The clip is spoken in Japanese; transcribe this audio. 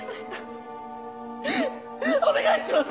お願いします！